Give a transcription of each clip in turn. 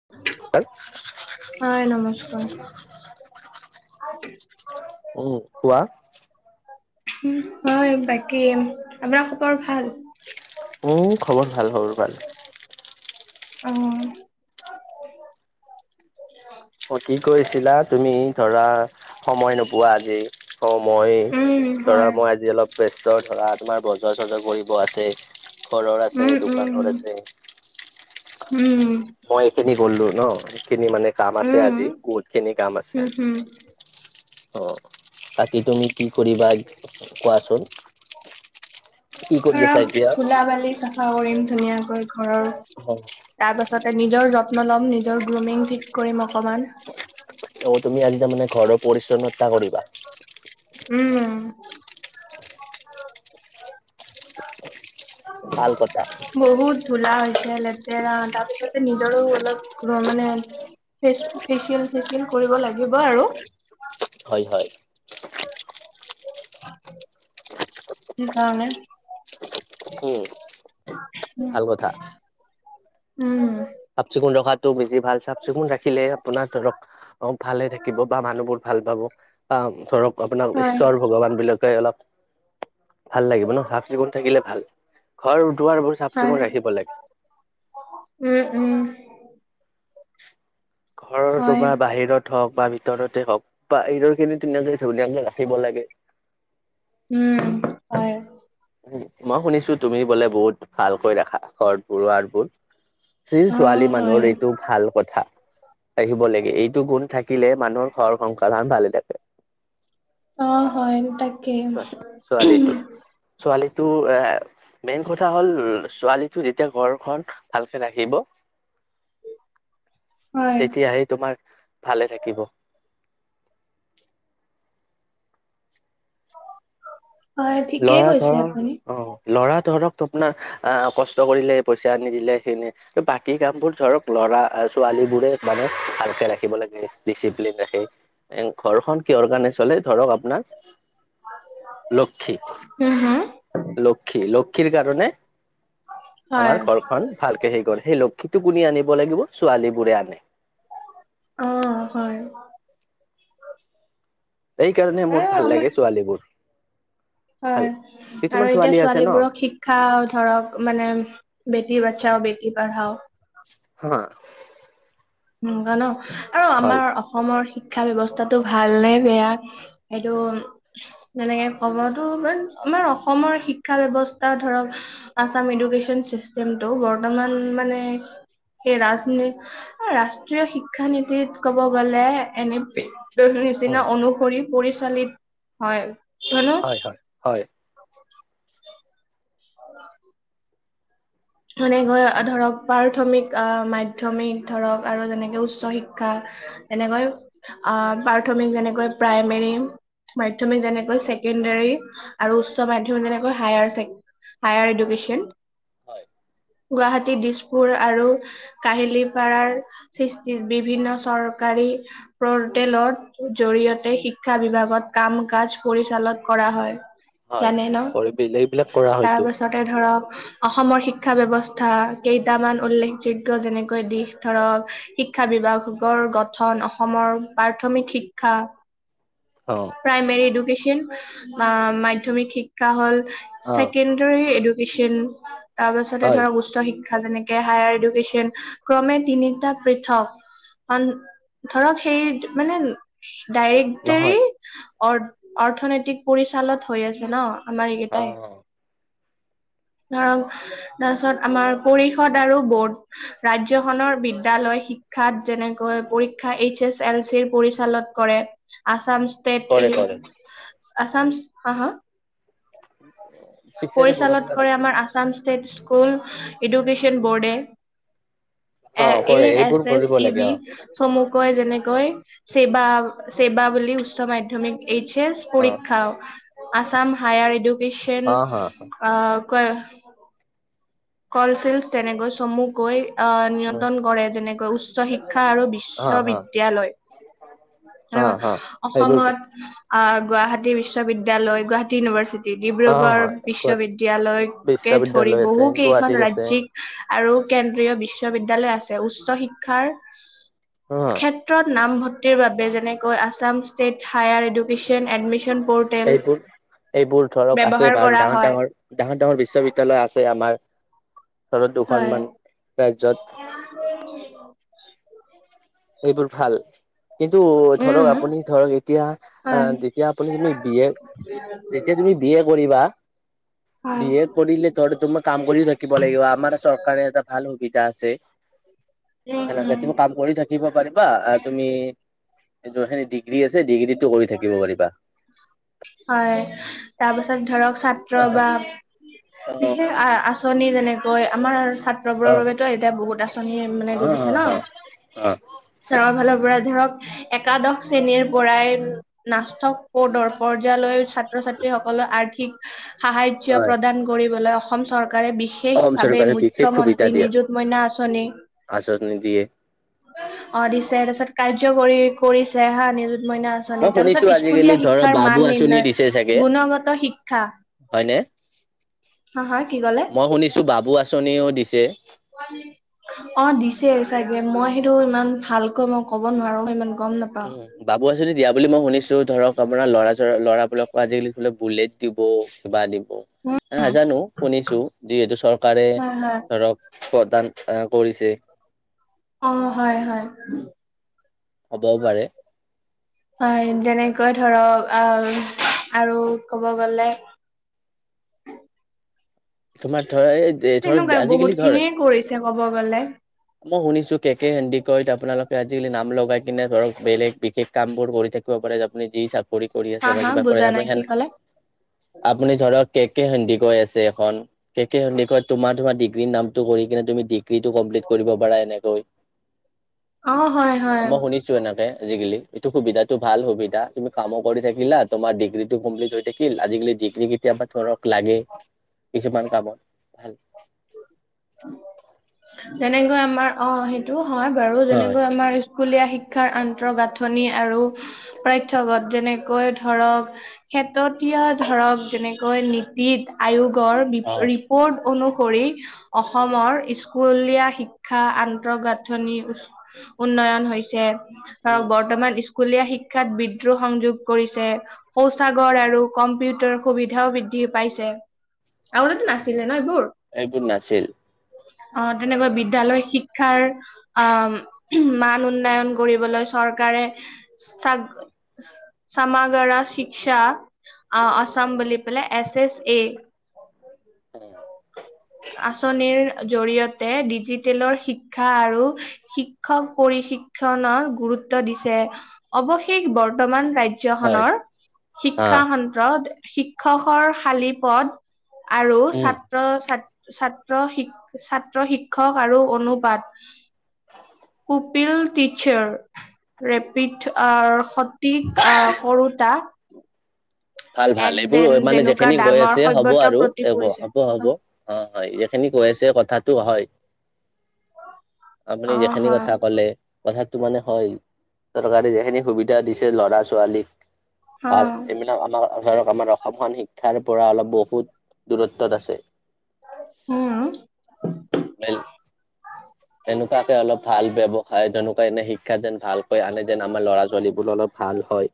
[inaudible] হয়, নমস্কাৰ। উম, কোৱা? হয়, বাকী আপোনাৰ খবৰ ভাল? মোৰ খবৰ ভাল, খবৰ ভাল। অঁ অঁ কি কৰিছিলা, তুমি ধৰা সময় নোপোৱা আজি। অ, মই উম, ধৰা হয় মই আজি অলপ বেষ্ট ধৰা তোমাৰ বজাৰ চজাৰ কৰিব আছে। ঘৰৰ আছে উম দোকানৰ আছে উম উম উম। মই এইখিনি গ'লো ন সেইখিনি মানে কাম আছে উম, আজি বহুত খিনি কাম আছে উম, আজি। হম অ বাকী তুমি কি কৰিবা কোৱাচোন। কি কৰি আছা এতিয়া ধৰক ধূলা বালি চাফা কৰিম ধুনীয়াকৈ ঘৰৰ। অ তাৰপাছতে নিজৰ যত্ন ল'ম নিজৰ গ্ৰুমিং ঠিক কৰিম অকমান। তুমি আজি তাৰমানে ঘৰৰ পৰিচ্ছন্নতা কৰিবা। উম ভাল কথা বহুত ধূলা হৈছে লেতেৰা তাৰপিছতে নিজৰো অলপ মানে ফেচ, ফেচিয়েল-চেচিয়েল কৰিব লাগিব আৰু। হয় হয় সেইকাৰণে। উম ভাল কথা উম চাফ-চিকুণ ৰখাতটো বেছি ভাল চাফ-চিকুণ ৰাখ ৰাখিলে আপোনাৰ ধৰক অ' ভালে থাকিব বা মানুহবোৰ ভাল পাব বা ধৰক আপোনাক হয়, ঈশ্বৰ ভগৱান বিলাক অলপ ভাল লাগিব ন চাফ-চিকুণ থাকিলে ভাল ঘৰ উঠোৱা হয়, উম উম ঘৰৰ হয়, জাবৰা বাহিৰত হওক বা ভিতৰতে হওক বা এইবোৰখিনি ধুনীয়া-ধুনীয়াকে ৰাখিব লাগে। উম হয় মই শুনিছো তুমি বোলে বহুত ভালকৈ ৰাখা ঘৰ দুৱাৰবোৰ। অ', ছোৱালী হয়, মানুহৰ এইটো ভাল কথা। থাকিব লাগে এইটো গুণ থাকিলে মানুহৰ ঘৰ সংসাৰখন ভালে থাকে। অ হয় এ তাকে। ছোৱালীটো ছোৱালীটো এ মেইন কথা হল ছোৱালীটো যেতিয়া ঘৰখন ভালকে ৰাখিব [inaudible] হয়, তেতিয়াহে তোমাৰ ভালে থাকিব। হয়, ঠিকেই লৰা কৈছে ধৰক, আপুনি। অ' লৰা ধৰক আপোনাৰ আহ, কষ্ট কৰিলে পইচা আনি দিলে সেইখিনি বাকী কামবোৰ ধৰক লৰা অ', ছোৱালীবোৰে মানে ভালকে ৰাখিব লাগে ডিচিপ্লিন ৰাখে। ঘৰখন কিহৰ কাৰণে চলে ধৰক আপোনাৰ লক্ষী। হুম-হুম লক্ষী, লক্ষীৰ কাৰণে হয়, আমাৰ ঘৰখন খন ভালকে হেই কৰে সেই লক্ষীতো কোনে আনিব লাগিব, ছোৱালীবোৰে আনে। অ' হয় সেইকাৰণে এ মোৰ ভাল আমাৰ লাগে ছোৱালীবোৰ। ভাল হয় কিছুমান আৰু এতিয়া ছোৱালী আছে ন ছোৱালীবোৰক শিক্ষা খাও ধৰক মানে বেটি বাচাও, বেটি পঢ়াও। হা [unintelligible] আৰু হয় আমাৰ অসমৰ শিক্ষা শিক্ষা ব্যৱস্থাটো ভাল নে বেয়া সেইটো মানে হ'বতো বাট আমাৰ অসমৰ শিক্ষা ব্যৱস্থা ধৰক অসম এডুকেচন চিষ্টেমটো বৰ্তমান মানে সেই ৰাজনী ৰাষ্ট্ৰীয় শিক্ষানীতিত ক'ব গ'লে এনে নিচিনা উম অনুসৰি পৰিচালিত হয়। হয়নো হয়, হয়, হয়। [unintelligible] এনেকৈ ধৰক প্ৰাথমিক অ', মাধ্যমিক ধৰক আৰু যেনেকে উচ্চ শিক্ষা। এনেকৈ অ', প্ৰাথমিক যেনেকৈ প্ৰাইমেৰী। মাধ্যমিক যেনেকৈ ছেকেণ্ডাৰী আৰু উচ্চ মাধ্যমিক যেনেকৈ হায়াৰ হায়াৰ এডুকেশ্যন। হয়। গুৱাহাটী দিছপুৰ আৰু কাহিলী পাৰাৰ সৃষ্টিত বিভিন্ন চৰকাৰী পৰ্টেলৰ জৰিয়তে শিক্ষা বিভাগত কাম কাজ পৰিচালন কৰা হয়। হয় জানে ন পৰিবিল এইবিলাক কৰা হয়তো তাৰপাছতে ধৰক অসমৰ শিক্ষা ব্যৱস্থা কেইটামান উল্লেখযোগ্য যেনেকৈ দিশ ধৰক শিক্ষা বিভাগৰ গঠন অসমৰ প্ৰাথমিক শিক্ষা। অ প্ৰাইমৰী এডুক্যচন মাধমিক শিক্ষা হল অ ছেকেণ্ড ৰে এডুকেশ্যন। তাৰ পাছতে হয় ধৰক উচ্চ শিক্ষা যেনেকে হায়াৰ এডুকেশ্যন ক্ৰমে তিনিটা পৃথক। অ', ধৰক সেই মানে ডাইৰেক্টৰ নহয় অ-অৰ্থনৈতিক পৰিচালত হৈ আছে ন। আমাৰ অ এইকেইটাই। ধৰক তাৰপিছত আমাৰ পৰিষদ আৰু বৰ্ড। ৰাজ্যখনৰ বিদ্যালয় শিক্ষাত যেনেকৈ পৰীক্ষা এইচ এচ এল চিৰ পৰিচালন কৰে। আছাম ষ্টেট কৰে কৰে আছাম হা, হা পিছেৰে বগা পৰিচালত বগা লাগি আমাৰ আছাম ষ্টেট স্কুল এডুকেশ্যন বোৰ্ডে। অ এ, এ কৰে এছ, এইবোৰ এছ কৰিব ই লাগে বি। অ চমুকৈ যেনেকৈ ছেবা, ছেবা বুলি উচ্চ মাধ্যমিক এইচ এছ। অ পৰীক্ষাও আচাম হায়াৰ ইডুকেশ্যন অ হা কলচেল তেনেকৈ চমুকৈ আহ উম নিয়ন্ত্ৰণ কৰে যেনেকৈ উচ্চ শিক্ষা আৰু হা হা বিশ্ববিদ্যালয়। হা সেনেকোৱা হা এইবোৰ অসমত অ', গুৱাহাটী বিশ্ববিদ্য়ালয় গুৱাহাটী ইউনিভাৰ্চিটি অ ডিব্ৰুগড় হয় গুৱাহাটী বিশ্ববিদ্যালয়। কে ধৰি বিশ্ববিদ্যালয় আছে বহু কেইখন গুৱাহাটীত আছে ৰাজিক্ আৰু কেন্দ্ৰীয় বিশ্ববিদ্যয়ালয় আছে উচ্চ শিক্ষাৰ। অ'। ক্ষেত্ৰত নামভৰ্তিৰ বাবে যেনেকৈ Assam state higher education admission portal এইবোৰ এইবোৰ ধৰক আছে ব্যৱহাৰ বাৰু কৰা ডাঙৰ হয়। ডাঙৰ ডাঙৰ, ডাঙৰ বিশ্ববিদ্যয়ালয় আছে আমাৰ ধৰত হয়, দুখনমান ৰাজ্যত। [unintelligible] এইবোৰ ভাল। কিন্তু ধৰক উম, আপুনি ধৰক এতিয়া হয়, যেতিয়া আপুনি তুমি বিয়ে [unintelligible] তেতিয়া তুমি বি এ কৰিবা। হয়। বি এ কৰিলে তহঁতে তো মই কাম কৰিও থাকিব লাগিব আমাৰ চৰকাৰে এটা ভাল সুবিধা আছে। সেনেকে উম, তুমি কাম কৰি থাকি শিকিব পাৰিবা তুমি যোন খিনি ডিগ্ৰী আছে ডিগ্ৰীটো কৰি থাকিব পাৰিবা। হয় তাৰপিছত ধৰক ছাত্ৰ বা অ বিশেষ অ আ আচনি যেনেকৈ আমাৰ ছা বোৰৰ বাবেতো এতিয়া বহুত আঁচনি মানে অ দি দিছে ন, অ অ গাৱৰ ফালৰ পৰা ধৰক একাদশ শ্ৰেণীৰ পৰাই নাচক কদৰ, পৰ্যালয় ছাত্ৰ ছাত্ৰী সকললে আৰ্থিক সাহায্য হয় প্ৰদান কৰিবলৈ অ অসম চৰকাৰে বিশেষ অসম বিশেষভাৱে চৰকাৰে বিশেষ সুবিধা মুখ্যমন্ত্ৰী দিয়ে নিযুত মইনা আঁচনি। আঁচনি দিয়ে অ দিছে তাৰপিছত কাৰ্য্য কৰি কৰিছে হা নিযুত মইনা আঁচনি মই শুনিছো তাৰপিছত আজিকালি স্কুলীয়া শি ধৰ মান বাবু আঁচনি নিৰ্ণয় দিছে চাগে গুণগত শিক্ষা হয়নে অ হয় কি ক'লে। মই শুনিছোঁ বাবু আঁচনিও দিছে। হয় নে, অ দিছে চাগে মই সেইটো ইমান ভালকৈ মই ক'ব নোৱাৰো ইমান গম নাপাও, উম বাবু আচনি দিয়া বুলি মই শুনিছোঁ ধৰক আপোনাৰ ল'ৰা ল'ৰাবোৰকো আজিকালি বুলেট দিব কিবা দি উম নাজানো শুনিছোঁ যিহেতু চৰকাৰে হয় হয় ধৰক, প্ৰদান আহ কৰিছে। অ হয় হয়। হ'বও পাৰে। হয় যেনেকৈ ধৰক আউ আৰু ক'ব গলে। তোমাৰ ধৰা ধৰক তেনেকুৱাই বহুত আজিকালি ধৰ, খিনিয়ে কৰিছে ক'ব গ'লে মই শুনিছোঁ কেকেহেডিকৈত আপোনালোকে আজিকালি নাম লগাই কিনে ধৰক বেলেগ বিশেষ কামবোৰ কৰি থাকে, পাৰে যে আপুনি যি চাকৰি কৰি হা আছে বা হা কিবা কৰে বুজা নাই আপুনি কি সেয়াত, ক'লে আপুনি ধৰক কে কে সেন্দি কৈ আছে। কে কে সোন্দি তোমাৰ তোমাৰ ডিগ্ৰীৰ নামটো কৰি কিনে তুমি ডিক কিতো কমপ্লিট কৰিব পাৰা এনেকৈ, অ হয় হয়। মই শুনিছো এনেকে আজিকালি এইটো সুবিধাতো ভাল সুবিধা তুমি কামো কৰি থাকিলা তোমাৰ ডিগ্ৰীটো কমপ্লিট হৈ থাকি আজিকালি ডিগ্ৰী কেতিয়াবা ধৰক লাগেই। কিছুমান কামত। ভাল। তেনেকৈ আমাৰ অ সেইটো হয় বাৰু হয় যেনেকৈ আমাৰ স্কুলীয়া শিক্ষাৰ আন্তঃগাঁথনি আৰু পাথ্য গোট যেনেকৈ ধৰক, খেততীয়া ধৰক যেনেকৈ নীতিত, আয়োগৰ অ ৰিপৰ্ট অনুসৰি অসমৰ স্কুলীয়া শিক্ষা আন্তঃগাঁথনিৰ উচ উন্নয়ন হৈছে। উম, ধৰক বৰ্তমান স্কুলীয়া শিক্ষাত বিদ্ৰোহ সংযোগ কৰিছে। শৌচাগৰ আৰু কম্পিউটাৰ সুবিধাও বৃদ্ধি পাইছে। আগতেটো নাছিলে ন এইবোৰ। এইবোৰ নাছিল। অ তেনেকৈ বিদ্যালয় শিক্ষাৰ। আ মান উন্নয়ন কৰিবলৈ চৰকাৰে চাগ, সমাগাৰা শিক্ষা অ অসমছাম বুলি পেলাই এছ এছ এইট, উ [unintelligible] আঁচনিৰ, জৰিয়তে ডিজিটেলৰ শিক্ষা আৰু শিক্ষক পৰিশিক্ষণৰ গুৰুত্ব দিছে অৱশেষ বৰ্তমান ৰাইড হয় জ্যখনৰ হা শিক্ষা সন্ত্ৰ শিক্ষকৰ খালী পদ আৰু উম ছাত্ৰ ছাত ছাত্ৰ শিক ছাত্ৰ শিক্ষক আৰু অনুপাত কোপিল টিচাৰ ৰেপিড আ, সঠিক আ, কৰোতা ভাল ভাল এক এইবোৰ দেন অ', মানে যেনেকুৱা যেখেনি হৈ ডাঙৰ আছে হ'ব সভ্যতাৰ আৰু প্ৰতীক [unintelligible] পৰিছে হ'ব হ'ব। অ', হয় যেখিনি কৈ আছে কথাটো হয়। আপুনি অ যেখিনি হয় কথা ক'লে কথাটো মানে হয় চৰকাৰে যেখিনি সুবিধা দিছে ল'ৰা ছোৱালীক অ ভাল এইবিলাক আমাৰ ধৰক আমাৰ অসমখন শিক্ষাৰ পৰা অলপ বহুত দূৰত্বত আছে। উম [unintelligible] এনোকুৱাকে অলপ ভাল বেব হয় তেনেকুৱা এনে শিক্ষা যেন ভালকৈ আনে যেন আমাৰ ল'ৰা ছোৱালীবোৰ অলপ ভাল হয়।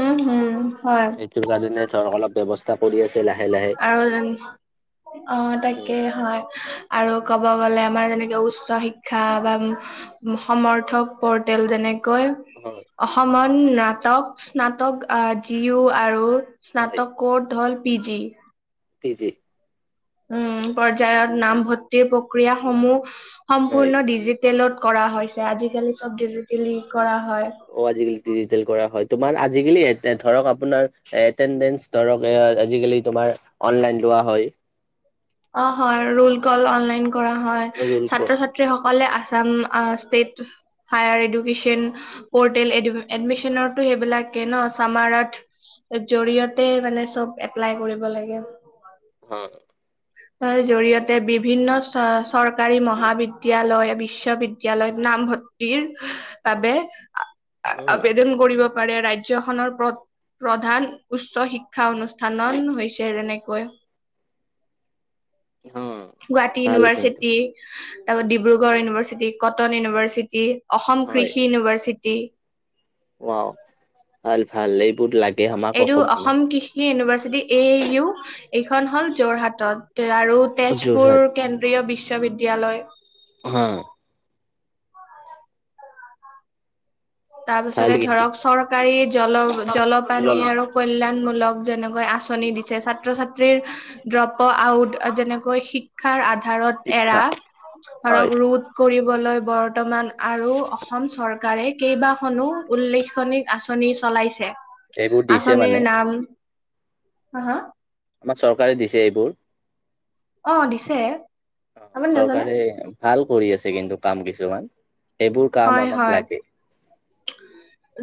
উম, হম হয়। [unintelligible] ধৰ অলপ ব্যৱচ স্থা কৰি আছে লাহে লাহে [unintelligible] অ', উম তাকে হয় আৰু ক'ব গ'লে আমাৰ যেনেকে উচ্চ শিক্ষা বা উম উম, সমৰ্থক পৰ্টেল যেনেকৈ [unintelligible] অসমত নাটক স্নাতক আ, যিও আৰু স্নাত হয় ক'ড হ'ল পি জি পি জি উম উম, পৰ্যায়ত নামভৰ্তিৰ প্ৰক্ৰিয়াসমূহ হয়। সম্পূৰ্ণ ডিজিট তেলত কৰা হৈছে আজিকালি চব ডিজিটেলি কৰা হয়। অ', আজিকালি ডিজিটেল কৰা হয় তোমাৰ আজিকালি এতে এ, ধৰক আপোনাৰ এটেনডেঞ্চ ধৰক এ, আজিকালি তোমাৰ অনলাইন লোৱা হয়। অ', হয় ৰোল কল অনলাইন কৰা হয় ৰোল কৰ ছাত্ৰ ছাত ত্ৰী সকলে আছাম আ, ষ্টেট হায়াৰ এডুকেচন পৰ্টেল এডমি এডমিচনতো সেইবিলাকে ন চামাৰত এ, জৰিয়তে মানে চব এপ্লাই কৰিব লাগে। হয়। তাৰ জৰিয়তে বিভিন্ন চা চৰকাৰী মহাবিদ্যালয় বিশ্ববিদ্যালয়ত নামভৰ্ত [unintelligible] উম আবেদন কৰিব পাৰে ৰাজ্যখনৰ পত প্ৰধান উচ্চ শিক্ষা অনুষ্ঠানন হৈছে যেনেকৈ [unintelligible] গুৱাহাটী ভাল কিন্তু ইনভাৰ্চিটি তাৰপা Dibrugarh university, cotton university Assam কৃষি ইউনিভাৰ্চিটি। ৱাওঁ ভাল ভাল এইবোৰ্ড লাগ এইটো অসম কৃষ ষি ইউনিভাৰ্চিটি এ ইউ এইখন হ'ল যোৰহাটত এ, আৰু তেজপুৰ যোৰহাট কেন প্ৰিয় বিশ্ববিদ্যালয়। [unintelligible] তাৰ ভাল পিছতে কিন্তু ধৰক চৰকাৰী জল জলপানী আৰু কল্যাণমূলক যেনেকৈ আঁচনি দিছ চে‌ ছাত্ৰ ছাত্ৰীৰ ড্ৰপ আউট যেনেকৈ শিক্ষাৰ আধাৰত এৰা, শিক্ষা হয় ধৰক ৰোট কৰিবলৈ বৰ্তমান আৰু অসম চৰকাৰে কেইবাখনো উল্লেখনিক আঁচনি চলাইছে। এইবোৰ দিছে আঁচনী মানে নাম, হা হা আমাক চৰকাৰে দিছে এইবোৰ। অঁ দিছে। আপুনি নাজানে চৰকাৰে ভাল কৰি আছে কিন্তু কাম কিছুমান, সেইবোৰ কাম হয় আমাক হয় লাগে।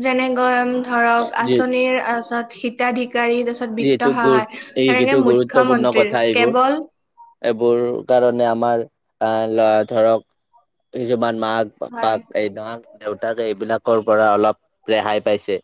যেনেকৈ উম ধৰক যি আঁচনী তাৰপিছত হিতাধিকাৰী তাৰপি ছত যিহেতু বিত্ত গুৰ সহায়, এইটো এনেকে গুৰুত্বপূৰ্ণ মুখ্যমন্ত্ৰীৰ কথা এইবোৰ কেৱল এইবোৰ কাৰণে আমাৰ আঁ ল ধৰক, এই‌ যে বান মাক হয় ককাক আইতাক দেউতাকে এইবিলাকৰ পৰা অলপ ৰেহাই পাইছে।